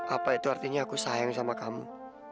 apa itu artinya aku sayang sama kamu